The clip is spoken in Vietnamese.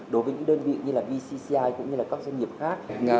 đối với những đơn vị như là vcci cũng như là các doanh nghiệp khác